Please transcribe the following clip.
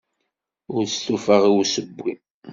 Ur stufaɣ i usewwi.